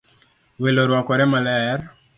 Welo orwakore maler